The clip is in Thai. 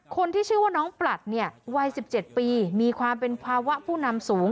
คนที่ชื่อว่าน้องปลัดเนี่ยวัย๑๗ปีมีความเป็นภาวะผู้นำสูง